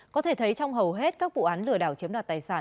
có thể thấy trong hầu hết các vụ án lừa đảo chiếm đoạt tài sản